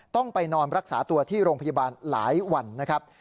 ต้องไปนอนรักษาตัวที่โรงพยาบาลหลายวันนะครับ